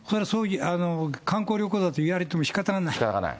観光旅行だといわれてもしかたがない。